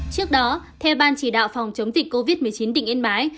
trước đó theo ban chỉ đạo phòng chống dịch covid một mươi chín tỉnh yên bái